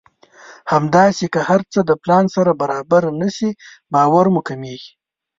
همداسې که هر څه د پلان سره برابر نه شي باور مو کمېږي.